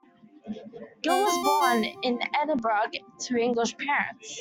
Gill was born in Edinburgh to English parents.